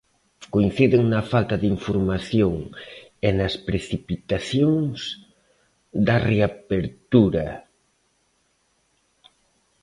Coinciden na falta de información e nas precipitacións da reapertura.